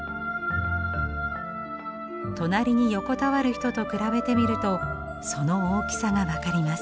隣に横たわる人と比べてみるとその大きさが分かります。